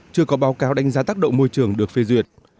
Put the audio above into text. chưa có báo cáo đánh giá tác động môi trường được phê duyệt